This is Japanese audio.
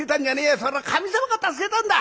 それは神様が助けたんだ！